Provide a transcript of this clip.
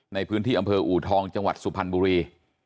ในพื้นที่อำเภออูทองจังหวัดสุพรรณบุรี